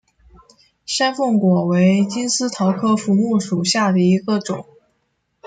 山凤果为金丝桃科福木属下的一个种。